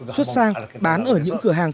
xuất sang bán ở những cửa hàng